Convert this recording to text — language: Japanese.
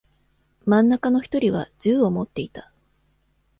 真ん中の一人は銃を持っていた。